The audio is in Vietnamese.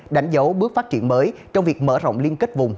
đánh dấu bước phát triển mới trong việc mở rộng liên kết vùng